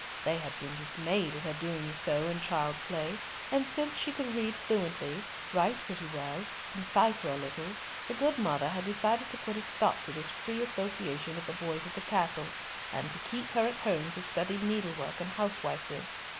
They had been dismayed at her doing so in child's play, and since she could read fluently, write pretty well, and cipher a little, the good mother had decided to put a stop to this free association with the boys at the castle, and to keep her at home to study needlework and housewifery.